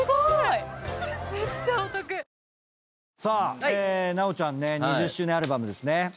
さあ直ちゃん２０周年アルバムですね。